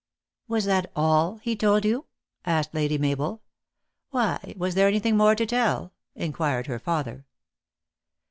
" Was that all he told you ?" asked Lady Mabel. "Why? Was there anything more to te!H" in quired her father.